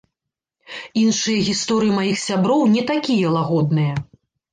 Іншыя гісторыі маіх сяброў не такія лагодныя.